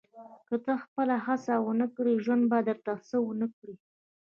• که ته خپله هڅه ونه کړې، ژوند به درته څه ونه کړي.